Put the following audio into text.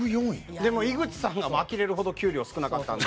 でも、井口さんがあきれるほど給料少なかったので。